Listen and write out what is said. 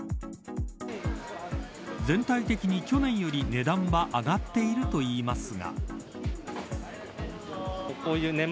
全体的に、去年より値段は上がっているといいますが。